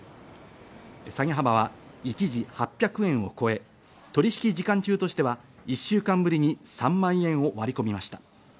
下げ幅は一時８００円を超え、取引時間中としては１週間ぶりに３万円を割り込みました。